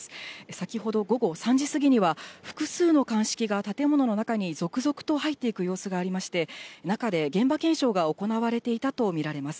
先ほど午後３時過ぎには、複数の鑑識が建物の中に続々と入っていく様子がありまして、中で現場検証が行われていたと見られます。